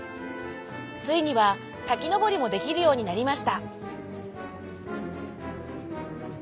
ついにはたきのぼりもできるようになりました。